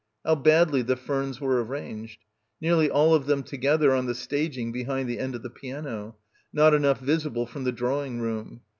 How badly the ferns were arranged. Nearly all of them to gether on the staging behind the end of the piano ; not enough visible from the drawing room.